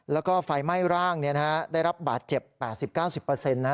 แล้วก็ไฟไหม้ร่างได้รับบาดเจ็บ๘๐๙๐นะ